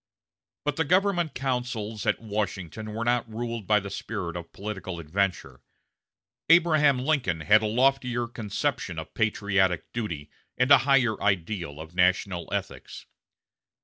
But the government councils at Washington were not ruled by the spirit of political adventure. Abraham Lincoln had a loftier conception of patriotic duty, and a higher ideal of national ethics.